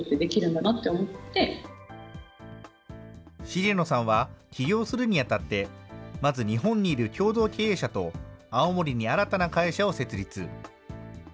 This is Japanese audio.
重野さんは起業するにあたって、まず、日本にいる共同経営者と青森に新たな会社を設立。